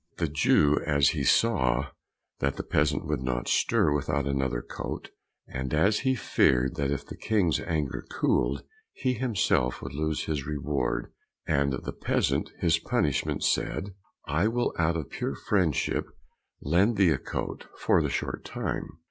The Jew, as he saw that the peasant would not stir without another coat, and as he feared that if the King's anger cooled, he himself would lose his reward, and the peasant his punishment, said, "I will out of pure friendship lend thee a coat for the short time.